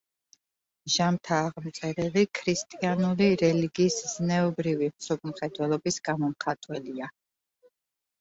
ჟამთააღმწერელი ქრისტიანული რელიგიის ზნეობრივი მსოფლმხედველობის გამომხატველია.